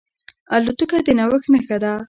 الوتکه د نوښت نښه ده.